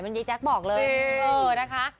เหมือนยายแจ๊คบอกเลยจริง